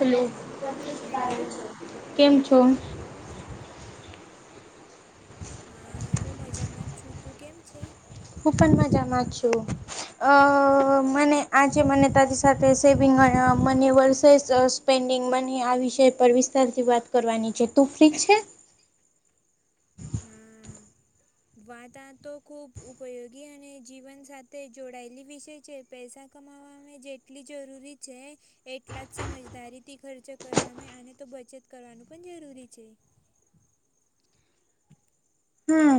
Hello, hello કેમ છો? હા, હું મજામાં જ છું, તું કેમ છે? હું પણ મજા મા જ છું. અ મને આજે મને તારી સાથે સેવિંગ, અને money versus uh pending money આ વિષય પર વિસ્તારથી વાત કરવાની છે, તું ફ્રી છે? હમ. વાતા આ તો ખૂબ ઉપયોગી, અને જીવન સાથે જોડાયેલી વિશે છે પૈસા. કમાવામાં જેટલી જરૂરી છે. એટલા જ સમજદારીથી ખર્ચો કરવામાં, આને તો બચત કરવાનું પણ જરૂરી છે. હમ,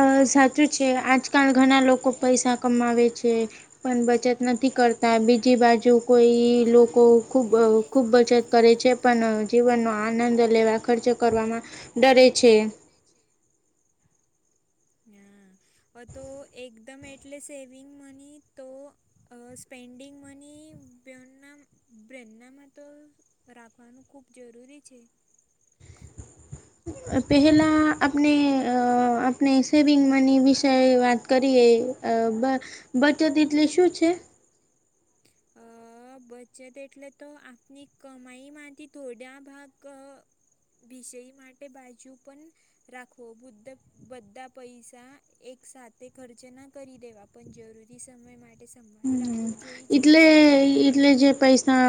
અ સાચું છે, આજકાલ ઘણા લોકો પૈસા કમાવે છે. પણ બચત નથી કરતા, બીજી બાજુ કોઈ લોકો ખૂબ ખૂબ બચત કરે છે, પણ જીવનનો આનંદ લેવા ખર્ચો કરવામાં ડરે છે. હા. હ, તો એકદમ એટલે સેવિંગ મની તો સ્પેન્ડીંગ મની [unintelligible] રાખવાનું ખૂબ જરૂરી છે. પહેલાં આપણે અ આપણે સેવિંગ મની વિશે વાત કરીએ? અ બ બચત એટલે શું છે? અ. અ બચત એટલે તો આપની કમાઈમાંથી થોડા ભાગ અ વિષય માટે બાજુ પણ રાખવો બુધ્ધ બધ્ધા પૈસા એક સાથે ખર્ચેના કરી દેવા પણ જરૂરી સમય માટે સંભાળી હમ, રાખવું જોઈ છે ને એટલે એટલે જે પૈસા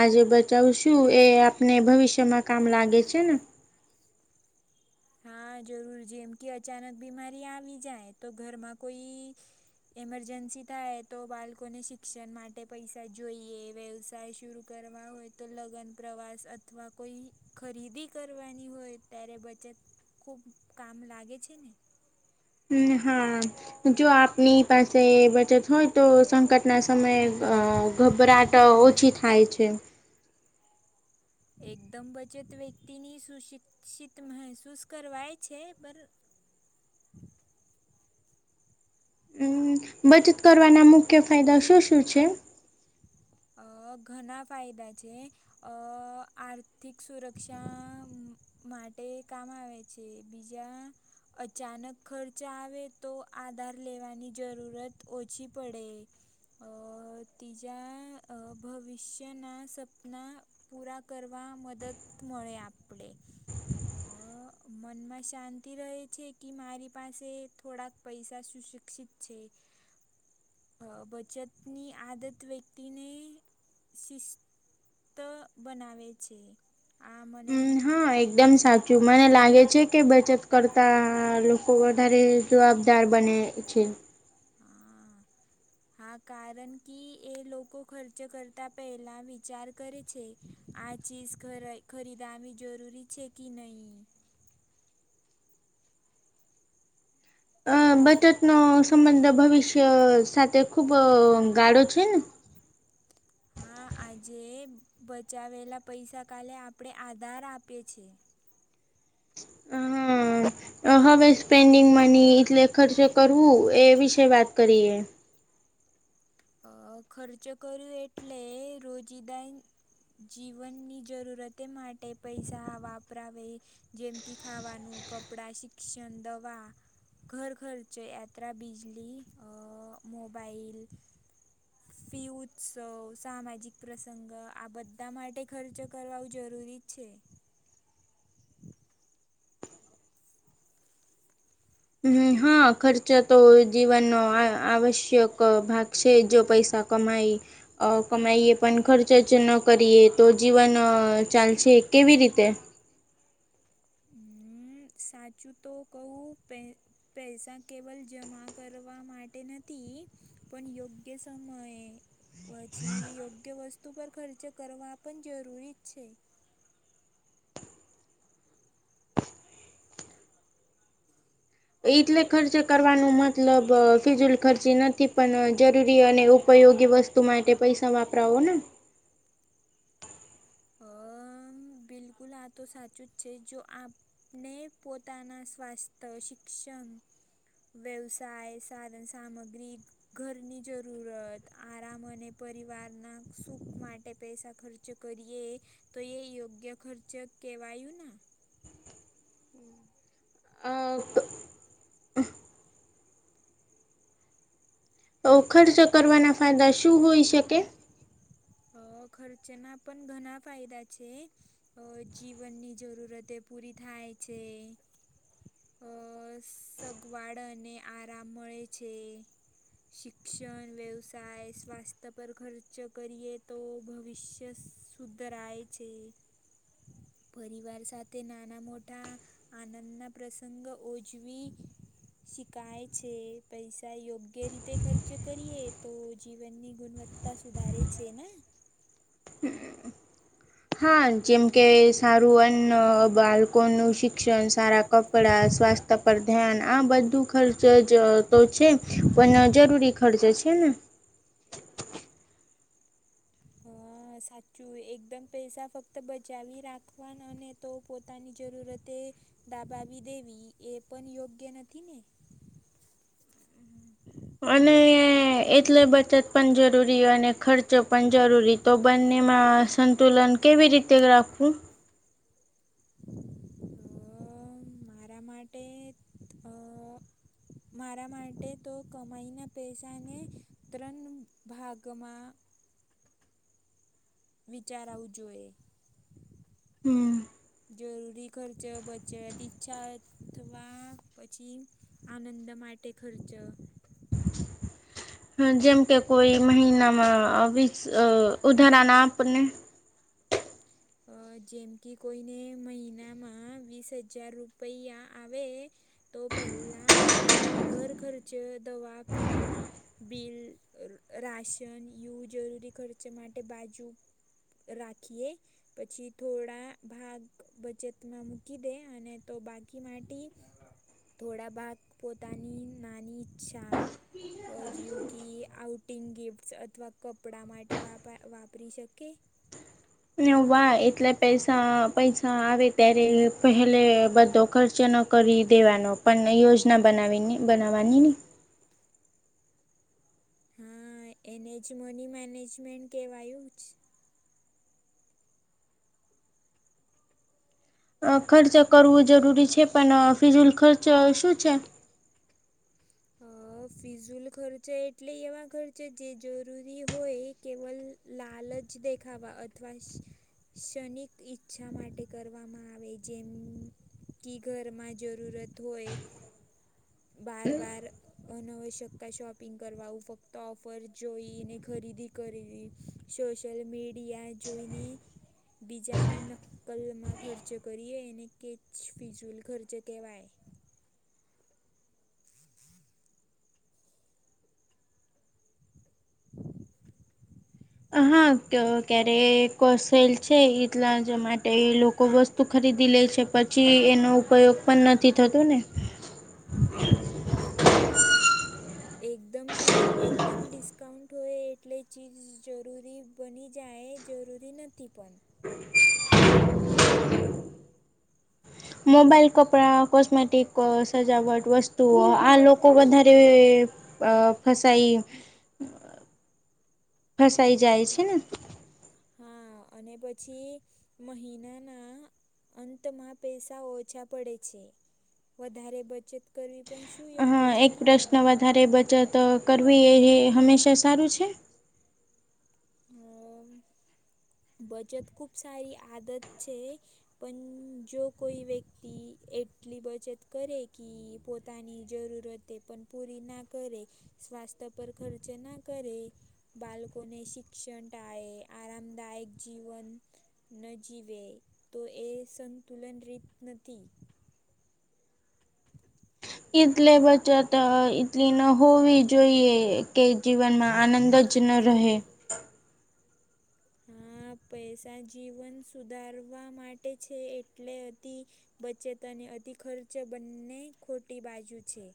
આજે બચાવશું એ આપને ભવિષ્યમાં કામ લાગે છે ને. હા જરૂર જેમ કે અચાનક બીમારી આવી જાય તો ઘરમાં કોઈ ઇમરજન્સી થાય તો બાળકોને શિક્ષણ માટે પૈસા જોઈએ વ્યવસાય શુરૂ કરવા હોય તો લગન પ્રવાસ અથવા કોઈ ખરીદી કરવાની હોય ત્યારે બચત ખૂબ કામ લાગે છે ને. હમ હા. જો આપની પાસે એ બચત હોય તો સંકટના સમયે અ ગભરાટ ટ ઓછી થાય છે. એકદમ બચત વ્યક્તિ ની સુશિક્ષિત મહેસૂસ કરવાય છે પર હમ બચત કરવાના મુખ્ય ફાયદા શું શું છે? અ ઘણા ફાયદા છે. અ આર્થિક સુરક્ષા માટે કામ આવે છે બીજા. અચાનક ખર્ચ આવે તો આધાર લેવાની જરૂરત ઓછી પડે. તિજ ભવિષ્યના સપના પૂરા કરવા મદદ મળે આપણે. મનમાં શાંતિ રહે છે કે મારી પાસે થોડાક પૈસા સુશિક્ષિત છે. હ. [inaudible] અ બચતની આદત વ્યક્તિને શિસ્ત બનાવે છે, આ મને હમ હા એકદમ સાચું મને લાગે છે કે બચત કરતા લોકો વધારે જવાબદાર બને છે. હા હા કારણ કે એ લોકો ખર્ચ કરતા પહેલા વિચાર કરે છે. આ ચીઝ ખ ખરીદવી જરૂરી છે કે નહીં. અ બચતનોો સંબંધ ભવિષ્ય સાથે ખુબ ગાળો છે ને. [inaudible] હા આજે બચાવેલા પૈસા કાલે આપણે આધાર આપીએ છીએ. હ હા. હવે સ્પેન્ડિંગ મની એટલે ખર્ચે કરવું એ વિશે વાત કરીએ. અ ખર્ચ કર્યું એટલે રોજીિદાન જીવનની જરૂરતે માટે પૈસા વાપરાવે. જેમ કે ખાવાનું કપડા શિક્ષણ દવા. ઘર ઘરચ યાત્રા બિજલી મોબાાઈલ. ફી ઉત્સવ સામાજિક પ્રસંગ આ બધા માટે ખર્ચ કરવાવું જરૂરી છે. હ હા ખર્ચ તો જીવનનો આવશ્યક ભાગ છે જો પૈસા કમાય. અ કમાઈએ પણ ખર્ચ જ ન કરીએ તો જીવન ચાલશે કેવી રીતે. [inaudible] હમ સાચું તો કહું પેન પૈસા કેવલ જમા કરવા માટે નથી પણ યોગ્ય સમયે પછી યોગ્ય વસ્તુ પર ખર્ચ કરવા પણ જરૂરી જ છે. એટલે ખર્ચ કરવાનું મતલબ ફિઝુલ ખર્ચી નથી પણ જરૂરી અને ઉપયોગી વસ તું માટે પૈસા વાપરાવો ને. હમ્મ બિલકુલ આ તો સાચું જ છે જો આપ ને પોતાના સ્વાસ્થ્ય શિક્ષણ વ્યવસાય સાધન સામગ્રી ઘરની જરૂરત આરામ અને પરિવારના સુખ માટે પૈસા ખર્ચ કરી એ તો એ યોગ્ય ખર્ચ કેહેવાયું ને. [unintelligible] તો ખર્ચ કરવાના ફાયદા શું હોઈ શકે? હ ખર્ચના પણ ઘણા ફાયદા છે. તો જીવનની જરૂરતે પૂરી થાય છે. અ સગવાડ અને આરામ મળે છે. શિક્ષણ વ્યવસાય સ્વાસ્થ્ય પર ખર્ચ કરીએ તો ભવિષ્ય સુધરાય છે. પરિવાર સાથે નાના મોટા આનંદના પ્રસંગ ઉજવી શીખાય છે, પૈસા યોગ્ય રીતે ખર્ચ કરીએ તો જીવનની ગુણવત્ત તા સુધારે છે ને. હા જેમ કે સારું અન્ન ન બાળકો નું શિક્ષણ સારા કપડા સ્વાસ્થ પર ધ્યાન આ બધું ખર્ચ જ તો છે પણ જરૂરી ખર્ચ છે ને. હા સાચું એકદમ પૈસા ફક્ત બચાવી રાખવાના અને તો પોતાની જરૂરતે દાબાવી દેવી એ પણ યોગ્ય નથી ને. અને એટલે બચત પણ જરૂરી અને ખર્ચો પણ જરૂરી તો બંનેમાં સંતુલન કેવી રીતે રાખવું? અ મારા માટે તો મારા માટે તો કમાઈના પૈસાને ત્રણ ભાગમાં વિચાર આવવું જોઈએ. હમ્મ. જરૂરી ખર્ચા બચે ઈચ્છા અથવા પછી આનંદ માટે ખર્ચ હ જેમ કે કોઈ મહિનામાં વીસ ઉધારા ના આપને અ જેમ કે કોઈને મહિનામાં વીસ હજાર રૂપિયા આવે. તો પહેલા ખર ઘરખર્ચ, દવા આપી બિલ, રાશન યુ જરૂરી ખર્ચ માટે બાજુ રાખીએ. પછી થોડા ભાગ બચતમાં મૂકી દે અને તો બાકી માટી થોડા ભાગ પોતાની નાની ઈચ્છા અ જેવું કી આઉટિંગ ગિફ્ટ્સ અથવા કપડાં માટે વાપ વાપરી શકે. અને એવો વાહ એટલે પૈસા પૈસા આવે ત્યારે પહેલે બધો ખર્ચ ન કરી દેવાનો પણ યોજના બનાવીને બનાવવાની નહી. હા એને જ મની મેનેજમેન્ટ કેવાયું જ. અ ખર્ચ કરવું જરૂરી છે પણ ફિઝુલ ખર્ચ શું છે. હ. ફિઝૂલ ખર્ચ એટલે એવા ખર્ચા જે જરૂરી હોય કેવલ લાલચ દેખાવા અથવા ક્ષણિક ઈચ્છા માટે કરવામાં આવે જેમ કી ઘરમાં જરૂરત હોય, બાર બાર અનવશ્યકા શોપિંગ કરવાવું ફક્ત ઓફર જોઈને ખરીદી કરવી, સોશલ મીડિયા જોઈની. બીજાની નક્કલમાં ખર્ચ કરીએ એને કેચ ફિઝૂલ ખર્ચ કહેવાય. [inaudible] હા ક્યારે કોસેલ છે એટલા જ માટે લોકો બ તું ખરીદી લે છે પછી એનો ઉપયોગ પણ નથી થતું ને. હમ. એકદમ થી એકદમ ડિસ્કાઉન્ટ હોય એટલે ચીજ જરૂરી બની જાયએ જરૂરી નથી પણ. મોબાઈલ કપડાં કોસ્મેટિક અ સજાવટ વસ્તુઓ આ લોકો વધારે અ ફસાઈ, ફસાઈ જાય છે હા ને. હા અને પછી, મહિનાના અંતમાં પૈસા ઓછા પડે છે, વધારે બચત કરવી પશુંયગ હા એક પ્રશ્ન વધારે બચત કરવી એ એ હંમેશા સારું છે? અમ, બચત ખુબ સારી આદત છે. પણ જો કોઈ વ્યક્તિ એટલી બચત કરે કી પોતાની જરૂરત તે પણ પૂરી ના કરે, સ્વાસ્થ પર ખર્ચ ના કરે. બાલકોને શિક્ષણ ટાળે આરામદાયક જીવન ન જીવે, તો એ સંતુલન રીત નથી. ઇતલે બચત ઈડલી ન હોવી જોઈએ. કે જીવનમાં આનંદ જ ન રહે. હા પૈસા જીવન સુધારવા માટે છે એટલે અતિ બચત અને અતિ ખર્ચ બંને ખોટી બાજુ છે.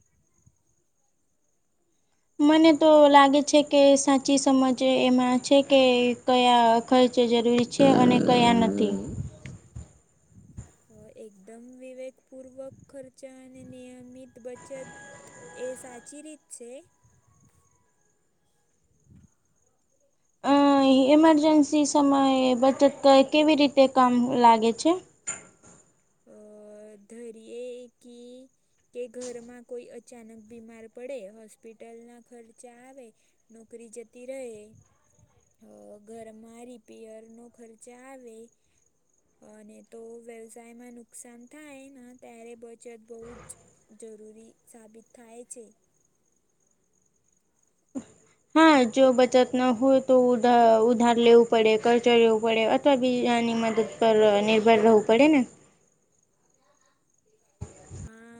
મને તો લાગે છે કે સાચી સમજ એમાં છે કે કયા ખર્ચો જરૂરી છે અને કયા નથી. એકદમ વિવેકપૂર્વક ખર્ચા અને નિયમિત બચત એ સાચી રીત છે? [inaudible] અહી ઇમરજન્સી સમયે બચત કેવી રીતે કામ લાગે છે? અ ધરીએ કી કે ઘરમાં કોઈ અચાનક બીમાર પડે હોસ્પિટલના ખર્ચા આવે. નોકરી જતી રહે. અ ઘરમાં રિપેયર નો ખર્ચા આવે. અને તો વ્યવસાયમાં નુકસાન થાય ને ત્યારે બચત બહુ જ જરૂરી સાબિત થાય છે. હા જો બચત ન હોય તો ઉધ ઉધાર લેવું પડે. ખર્ચો રહેવું પડે અથવા બીજાની મદદ પર નિર્ભર રહેવું પડે ને. હા.